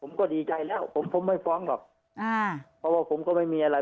ผมก็ดีใจแล้วผมผมไม่ฟ้องหรอกอ่าเพราะว่าผมก็ไม่มีอะไร